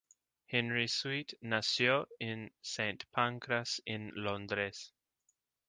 Henry Sweet nació en St Pancras, en Londres.